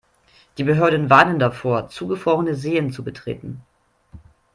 Die Behörden warnen davor, zugefrorene Seen zu betreten.